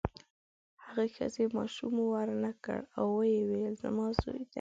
هغې ښځې ماشوم ورنکړ او ویې ویل زما زوی دی.